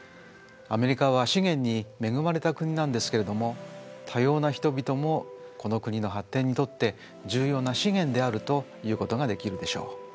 アメリカは資源に恵まれた国なんですけれども多様な人々もこの国の発展にとって重要な資源であるということができるでしょう。